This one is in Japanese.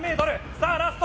さあラスト！